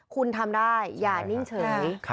คุณทำได้อย่านิ่งเฉย